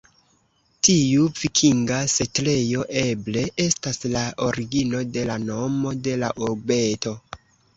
Tiu vikinga setlejo eble estas la origino de la nomo de la ubeto.